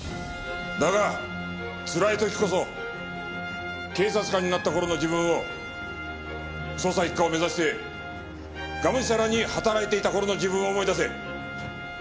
だがつらい時こそ警察官になった頃の自分を捜査一課を目指してがむしゃらに働いていた頃の自分を思い出せ。